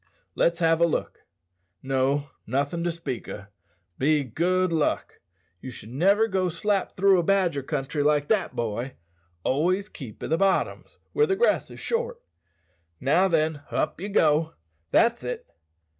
"Let's have a look. No, nothin' to speak o', be good luck. Ye should niver go slap through a badger country like that, boy; always keep i' the bottoms, where the grass is short. Now then, up ye go. That's it!"